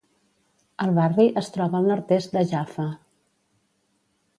El barri es troba al nord-est de Jaffa.